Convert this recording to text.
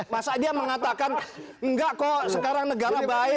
masa dia mengatakan enggak kok sekarang negara baik